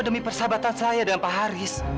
demi persahabatan saya dengan pak haris